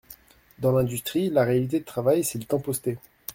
Dans l’industrie, la réalité du travail, c’est le temps posté.